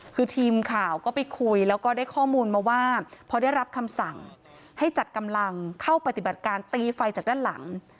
คือทีมข่าวก็ไปคุยแล้วก็ได้ข้อมูลมาว่าพอได้รับคำสั่งให้จัดกำลังเข้าปฏิบัติการตีไฟจากด้านหลัง